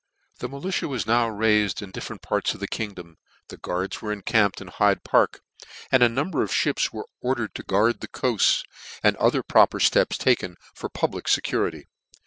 The militia was now raifed in different parts of the kingdom ; the guards were encamped in Hyde park j a number of fhips were ordered to guard 184 NEW NEWGATE CALENDAR. guard the coafts, and other proper fteps taken fo/ the public fecurity.